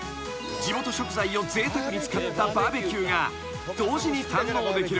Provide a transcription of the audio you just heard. ［地元食材をぜいたくに使ったバーベキューが同時に堪能できる］